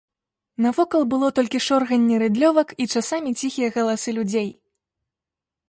Навокал было толькі шорганне рыдлёвак і часамі ціхія галасы людзей.